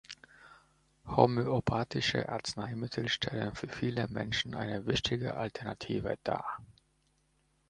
Homöopathische Arzneimittel stellen für viele Menschen eine wichtige Alternative dar.